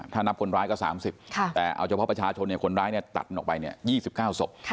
ถ้านับคนร้ายก็๓๐แต่เอาเฉพาะประชาชนคนร้ายตัดออกไป๒๙ศพ